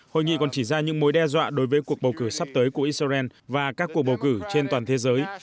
hội nghị còn chỉ ra những mối đe dọa đối với cuộc bầu cử sắp tới của israel và các cuộc bầu cử trên toàn thế giới